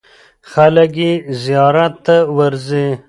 خلک یې زیارت ته ورځي.